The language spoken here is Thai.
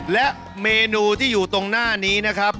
และเมนูที่อยู่ตรงหน้านี้นะครับ